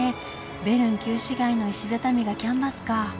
ベルン旧市街の石畳がキャンバスか。